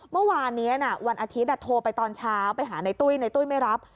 เมื่อวานนี้วันอาทิตย์โทรไปตอนเช้าไปหาในตุ้ยในตุ้ยไม่รับ